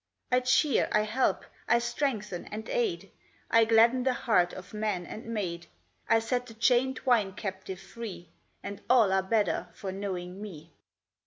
I cheer, I help, I strengthen and aid, I gladden the heart of man and maid; I set the chained wine captive free, And all are better for knowing me."